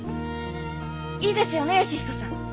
いいですよね良彦さん。え？